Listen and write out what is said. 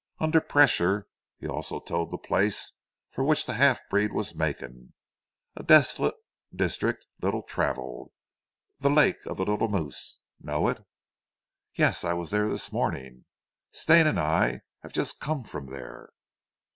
Under pressure he told also the place for which the half breed was making, a desolate district, little travelled the Lake of the Little Moose. Know it?" "Yes, I was there this morning; Stane and I have just come from there."